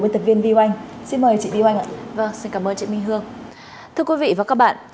biên tập viên viu anh xin mời chị viu anh ạ vâng xin cảm ơn chị minh hương thưa quý vị và các bạn